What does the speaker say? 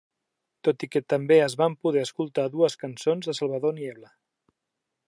Tot i que també es van poder escoltar dues cançons de Salvador Niebla.